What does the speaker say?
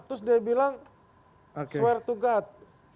terus dia bilang sware to god